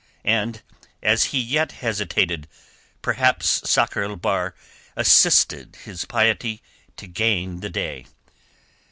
And as he yet hesitated perhaps Sakr el Bahr assisted his piety to gain the day.